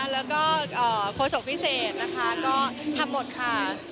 แล้วก็โฆษกพิเศษนะคะก็ทำหมดค่ะ